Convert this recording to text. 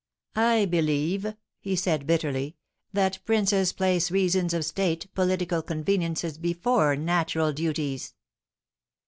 "I believe," he said, bitterly, "that princes place reasons of state, political conveniences, before natural duties."